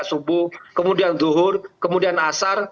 subuh kemudian zuhur kemudian asar